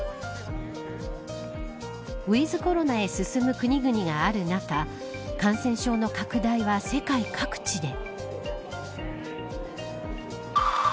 ウィズコロナへ進む国々がある中感染症の拡大は世界各地で。